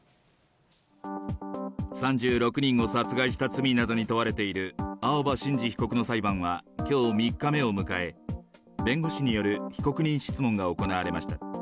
３６人を殺害した罪などに問われている青葉真司被告の裁判は、きょう、３日目を迎え、弁護士による被告人質問が行われました。